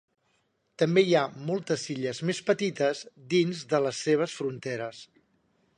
També hi ha moltes illes més petites dins de les seves fronteres.